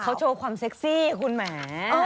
เขาโชว์ความเซ็กซี่คุณแหม